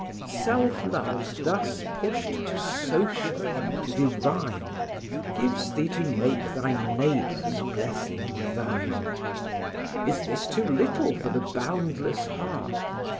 Self love thus pushed to social, to divine, Gives thee to make thy neighbour's blessing thine. Is this too little for the boundless heart?